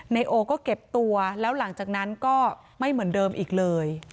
นายโอก็เก็บตัวแล้วหลังจากนั้นก็ไม่เหมือนเดิมอีกเลย